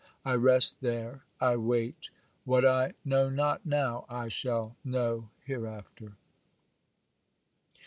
I rest there,—I wait. What I know not now I shall know hereafter.